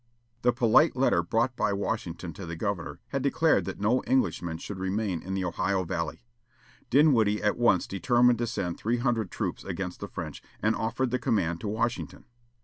The polite letter brought by Washington to the governor had declared that no Englishmen should remain in the Ohio valley! Dinwiddie at once determined to send three hundred troops against the French, and offered the command to Washington.